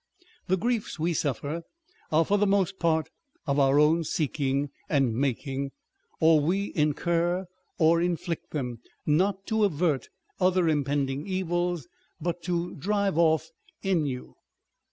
The griefs we suffer are for the most part of our own seeking and making ; or we incur or inflict them, not to avert other impending evils, but to drive off ennui.